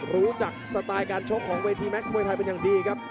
รู้จักสไตล์การชกของเวทีแม็กซมวยไทยเป็นอย่างดีครับ